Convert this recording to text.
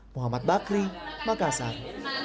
muhammad bakri makassar